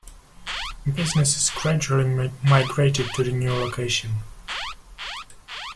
Businesses gradually migrated to the new location.